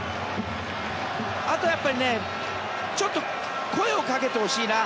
あとはやっぱりちょっと声をかけてほしいな。